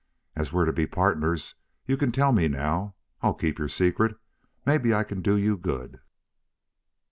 As we're to be partners, you can tell me now. I'll keep your secret. Maybe I can do you good."